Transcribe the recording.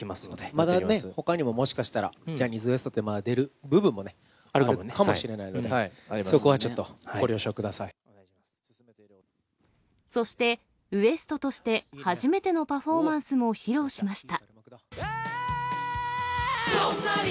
まだほかにももしかしたら、ジャニーズＷＥＳＴって出る部分もね、あるかもしれないので、そして、ＷＥＳＴ．として初めてのパフォーマンスも披露しました。